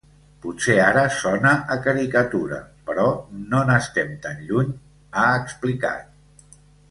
Potser ara sona a caricatura, però no n’estem tan lluny, ha explicat.